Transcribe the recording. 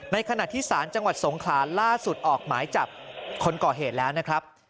ขณะที่ศาลจังหวัดสงขลาล่าสุดออกหมายจับคนก่อเหตุแล้วนะครับ